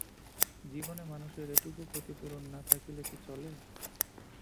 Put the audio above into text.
জীবনে মানুষের এটুকু ক্ষতি পূরণ না থাকিলে কি চলে!